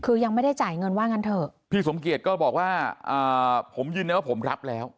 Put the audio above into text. คือยังไม่ได้จ่ายเงินว่างั้นเถอะพี่สมเกียจก็บอกว่าอ่าผมยืนยันว่าผมรับแล้ว